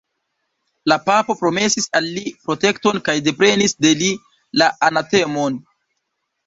La papo promesis al li protekton kaj deprenis de li la anatemon.